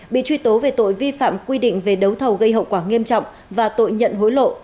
bị truy tố về tội vi phạm quy định về đấu thầu gây hậu quả nghiêm trọng và tội nhận hối lộ